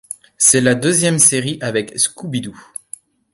C'est la deuxième série avec Scooby-Doo.